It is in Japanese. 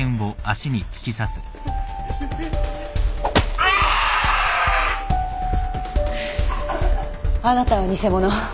あなたは偽者。